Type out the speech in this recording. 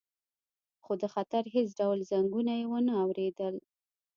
خو د خطر هیڅ ډول زنګونه یې ونه اوریدل